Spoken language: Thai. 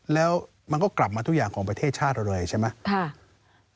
แล้วมันก็กลับมาทุกอย่างของประเทศชาติเราเลยใช่ไหม